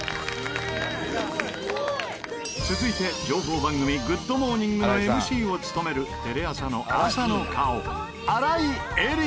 続いて情報番組『グッド！モーニング』のＭＣを務めるテレ朝の朝の顔。